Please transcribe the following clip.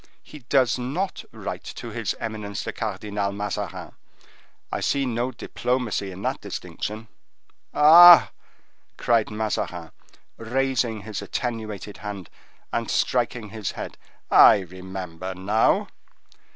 he does not write to his eminence the Cardinal Mazarin. I see no diplomacy in that distinction." "Ah!" cried Mazarin, raising his attenuated hand, and striking his head, "I remember now!"